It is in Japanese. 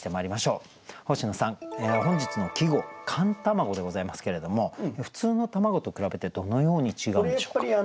本日の季語「寒卵」でございますけれども普通の卵と比べてどのように違うんでしょうか？